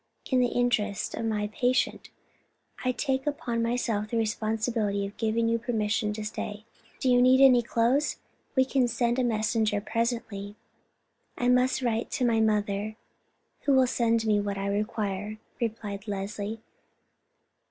In the interest of my patient, I take upon myself the responsibility of giving you permission to stay. Do you need any clothes? We can send a messenger presently." "I must write to my mother, who will send me what I require," replied Leslie.